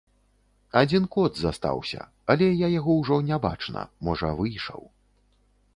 Адзін кот застаўся, але я яго ўжо не бачна, можа, выйшаў.